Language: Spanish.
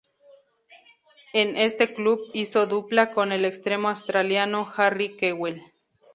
En este club hizo dupla con el extremo australiano Harry Kewell.